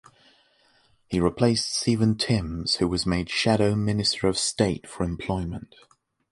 He replaced Stephen Timms, who was made Shadow Minister of State for Employment.